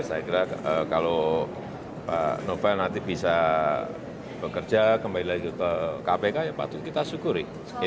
saya kira kalau pak novel nanti bisa bekerja kembali lagi ke kpk ya patut kita syukuri